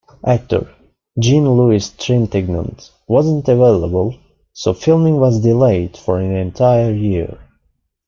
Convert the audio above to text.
Actor Jean-Louis Trintignant was not available so filming was delayed for an entire year.